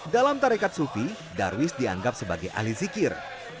dalam tarikat sufi darwish dianggap sebagai ahli zikir